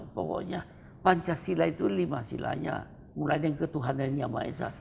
dan yang pokoknya pancasila itu lima silanya mulainya ketuhanan yama esa